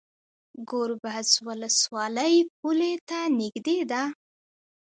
ګربز ولسوالۍ پولې ته نږدې ده؟